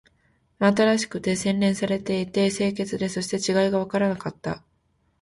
真新しくて、洗練されていて、清潔で、そして違いがわからなかった